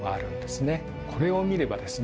これを見ればですね